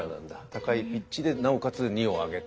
高いピッチでなおかつ二を上げて。